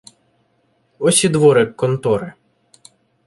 Ось і дворик контори.